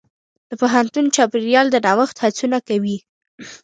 د پوهنتون چاپېریال د نوښت هڅونه کوي.